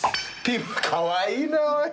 かわいいなおい。